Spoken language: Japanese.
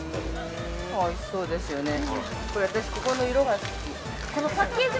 ◆おいしそうですよね。